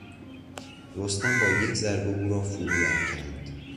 رستم با یک ضربه او را فرو افکند.